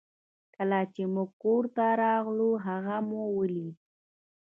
کله چې موږ کور ته راغلو هغه مو ولید